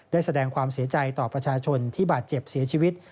ได้แสดงความเสียใจต่อประชาชนที่บาดเจ็บเสียชีวิต